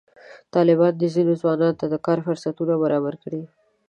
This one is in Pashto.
طالبانو ځینو ځوانانو ته د کار فرصتونه برابر کړي.